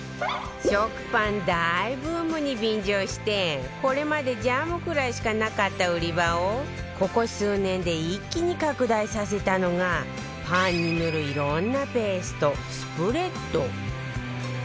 食パン大ブームに便乗してこれまでジャムくらいしかなかった売り場をここ数年で一気に拡大させたのがパンに塗るいろんなペーストスプレッド